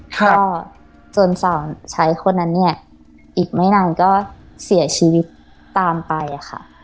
ก็จนสาวชายคนนั้นเนี่ยอีกไม่นานก็เสียชีวิตตามไปอะค่ะ